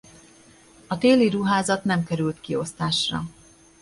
A téli ruházat nem került kiosztásra.